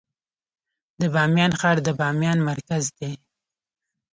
د بامیان ښار د بامیان مرکز دی